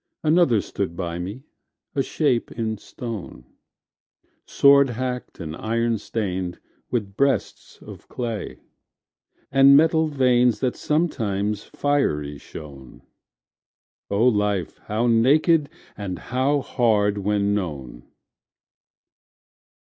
Another stood by me, a shape in stone, Sword hacked and iron stained, with breasts of clay, And metal veins that sometimes fiery shone: O Life, how naked and how hard when known!